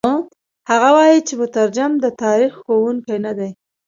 هغه وايي چې مترجم د تاریخ ښوونکی نه دی.